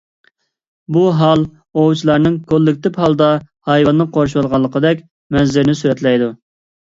بۇ ھال ئوۋچىلارنىڭ كوللېكتىپ ھالدا ھايۋاننى قورشىۋالغانلىقىدەك مەنزىرىنى سۈرەتلەيدۇ.